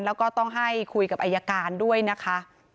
แล้วก็ต้องให้คุยกับอายการด้วยนะคะ